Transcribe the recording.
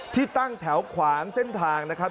ที่ตั้งแถวขวางเส้นทางนะครับ